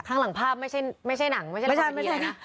ข้างหลังภาพไม่ใช่หนังไม่ใช่เมียนะ